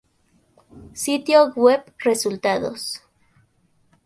Sitio web resultados